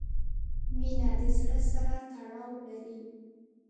• مینه د زړۀ سره تړاو لري.